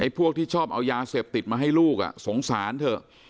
พวกที่ชอบเอายาเสพติดมาให้ลูกสงสารเถอะ